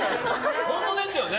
本当ですよね。